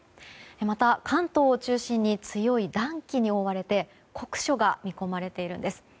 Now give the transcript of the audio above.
また、関東を中心に強い暖気に覆われて酷暑が見込まれているんです。